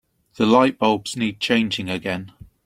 The lightbulbs need changing again.